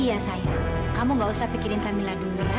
iya sayang kamu gak usah pikirin kamila dulu ya